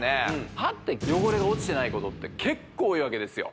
歯って汚れが落ちてないことって結構多いわけですよ